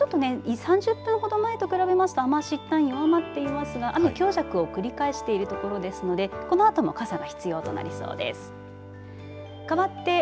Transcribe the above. ちょっと３０分ほど前と比べますと雨足いったん弱まっていますが雨、強弱を繰り返しているところですのでこのあとも傘が必要となりそうです。